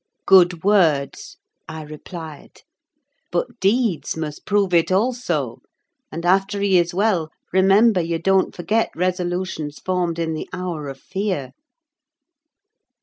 "Good words," I replied. "But deeds must prove it also; and after he is well, remember you don't forget resolutions formed in the hour of fear."